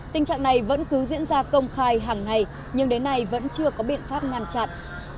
tình trạng này vẫn cứ diễn ra công khai hàng ngày nhưng đến nay vẫn chưa có biện pháp ngăn chặn